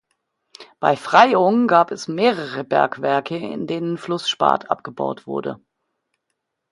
Bei Freiung gab es mehrere Bergwerke in denen Flussspat abgebaut wurde.